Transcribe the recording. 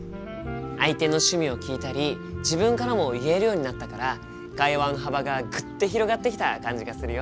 相手の趣味を聞いたり自分からも言えるようになったから会話の幅がぐっと広がってきた感じがするよ。